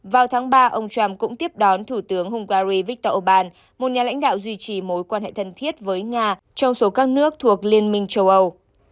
vào tháng ba ông trump cũng tiếp đón thủ tướng hungary viktor orbán một nhà lãnh đạo duy trì mối quan hệ thân thiết với nga trong số các nước thuộc liên minh châu âu